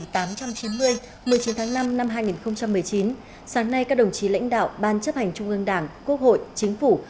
một mươi chín tháng năm năm hai nghìn một mươi chín sáng nay các đồng chí lãnh đạo ban chấp hành trung ương đảng quốc hội chính phủ